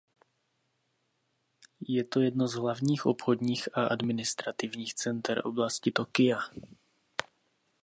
Je to jedno z hlavních obchodních a administrativních center oblasti Tokia.